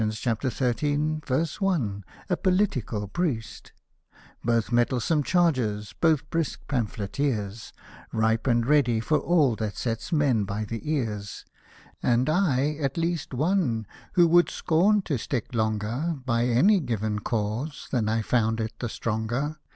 i ) a political priest ; Both mettlesome chargers^ both brisk pamphleteers, Ripe and ready for all that sets men by the ears ; And I, at least one, who would scorn to stick longer By any giv'n cause than I found it the stronger.